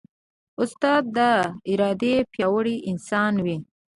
استاد د ارادې پیاوړی انسان وي.